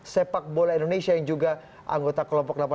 sepak bola indonesia yang juga anggota kelompok delapan puluh